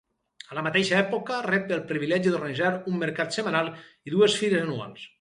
A la mateixa època rep el privilegi d'organitzar un mercat setmanal i dues fires anuals.